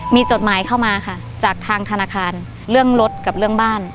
มีจดหมายเข้ามาค่ะจากทางธนาคารเรื่องรถกับเรื่องบ้าน